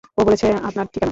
ও বলেছে আপনার ঠিকানা!